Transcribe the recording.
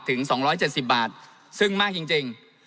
ถึงสองร้อยเจ็ดสิบบาทซึ่งมากจริงจริง